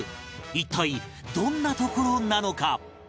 一体どんな所なのか？